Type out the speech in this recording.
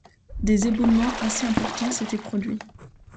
Des éboulements assez importants s’étaient produits